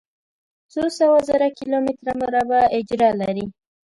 څو سوه زره کلومتره مربع اېجره لري.